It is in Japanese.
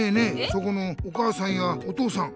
そこのお母さんやお父さん。